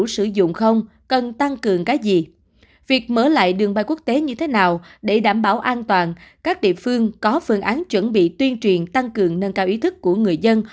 sau an toàn các địa phương có phương án chuẩn bị tuyên truyền tăng cường nâng cao ý thức của người dân